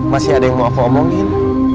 masih ada yang mau aku omongin